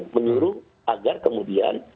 menurut agar kemudian